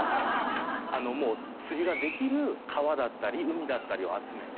あのもう釣りができる川だったり海だったりを集めて。